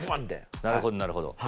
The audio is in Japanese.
なるほどなるほど。